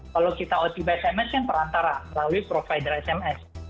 kalau kita otp sms yang perantara melalui provider sms